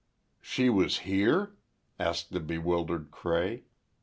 "She was here?" asked the bewildered Cray.